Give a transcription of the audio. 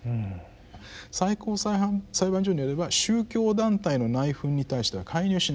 最高裁判所によれば宗教団体の内紛に対しては介入しない。